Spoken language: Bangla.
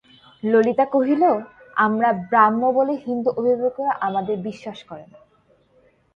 ললিতা কহিল, আমরা ব্রাহ্ম বলে হিন্দু অভিভাবকেরা আমাদের বিশ্বাস করে না।